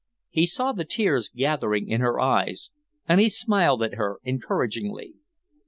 He saw the tears gathering in her eyes, and he smiled at her encouragingly.